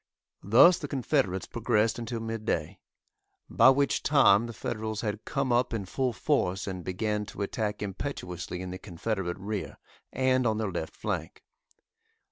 Thus the Confederates progressed until mid day, by which time the Federals had come up in full force and began to attack impetuously in the Confederate rear and on their left flank.